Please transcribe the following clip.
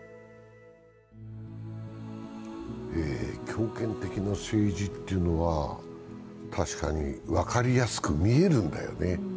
強権的な政治というのは確かに分かりやすく見えるんだよ